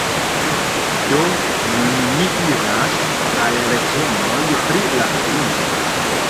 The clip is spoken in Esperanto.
Do, nun ni iras al lecionoj pri la lingvoj